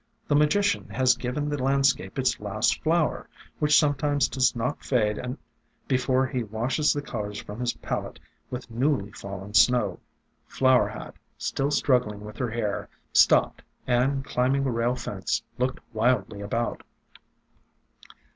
The Magician has given the landscape its last flower, which sometimes does not fade before he washes the colors from his palette with newly fallen snow." Flower Hat, still struggling with her hair, stopped, and climbing a rail fence, looked wildly about.